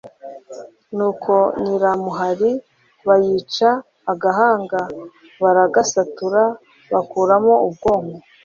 nuko nyiramuhari bayica agahanga, baragasatura bakuramo ubwonko